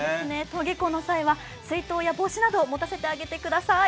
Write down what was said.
登下校の際は水筒や帽子などを持たせてあげてください。